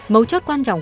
mấu chất quan trọng